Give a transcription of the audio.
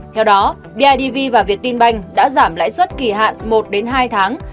theo đó bidv và viettinbank đã giảm lãi suất kỳ hạn một hai tháng